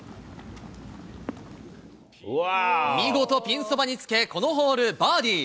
見事、ピンそばにつけ、このホール、バーディー。